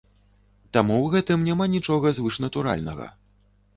Таму ў гэтым няма нічога звышнатуральнага.